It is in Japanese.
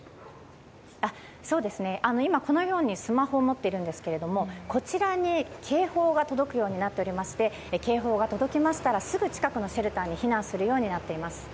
今、このようにスマホを持っているんですがこちらに警報が届くようになっていまして警報が届きましたらすぐ近くのシェルターに避難するようになっています。